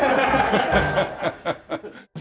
ハハハハハ。